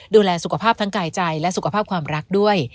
ดูแลสุขภาพทั้งกายใจและสุขภาพความรักด้วย